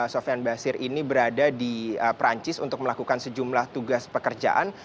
sofian basir ini berada di perancis untuk melakukan sejumlah tugas pekerjaan